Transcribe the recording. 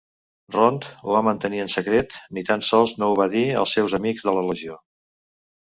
Rond ho va mantenir en secret; ni tan sols no ho va dir als seus amics de la Legió.